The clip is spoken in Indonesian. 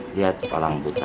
lihat orang buta